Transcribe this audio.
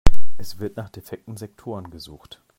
Es wird nach defekten Sektoren gesucht.